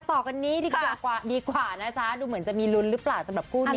ต่อกันดีกว่านะจ๊ะดูเหมือนจะมีรุนหรือเปล่าสำหรับคู่นี้